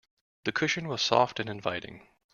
The cushion was soft and inviting.